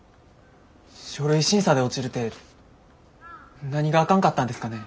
書類審査で落ちるて何があかんかったんですかね。